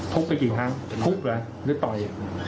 ทุกกับกี่ครั้งทุกหรือหรือต่อย